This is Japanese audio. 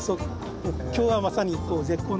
今日はまさに絶好の。